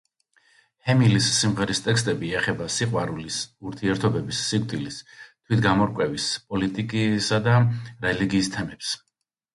ჰემილის სიმღერის ტექსტები ეხება სიყვარულის, ურთიერთობების, სიკვდილის, თვითგამორკვევის, პოლიტიკისა და რელიგიის თემებს.